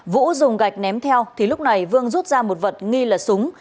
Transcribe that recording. vũ dùng gạch ném theo thì lúc này vương rút ra một vật nghi là súng